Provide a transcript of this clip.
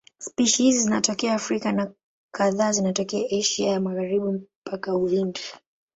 Spishi hizi zinatokea Afrika na kadhaa zinatokea Asia ya Magharibi mpaka Uhindi.